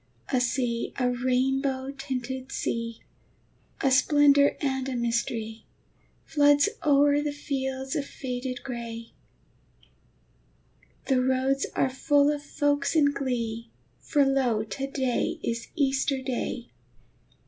A sea, a rainbow tinted sea, A splendor and a mystery, Floods o'er the fields of faded gray: The roads are full of folks in glee, For lo, to day is Easter Day!